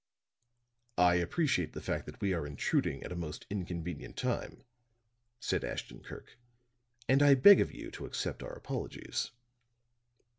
"I appreciate the fact that we are intruding at a most inconvenient time," said Ashton Kirk. "And I beg of you to accept our apologies."